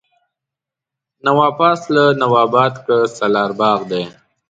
نواپاس، که نواباد که سالار باغ دی